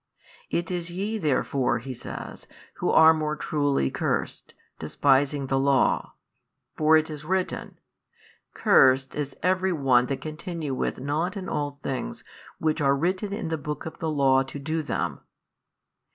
It is YE therefore (he says) who are more truly cursed, despising the Law. For it is written, Cursed is every one that continueth not in all things which are written in the book of the Law to do them.